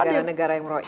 negara negara yang merauh